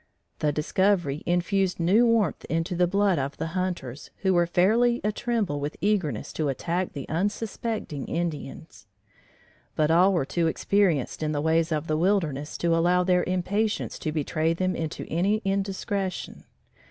The discovery infused new warmth into the blood of the hunters, who were fairly atremble with eagerness to attack the unsuspecting Indians. But all were too experienced in the ways of the wilderness to allow their impatience to betray them into any indiscretion.